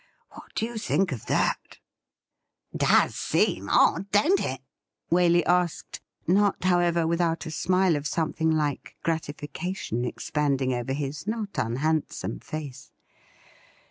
What do you think of that ?'' Does seem odd, don't it ?' Waley asked, not, however, without a smile of something like gratification expanding over his not unhandsome face.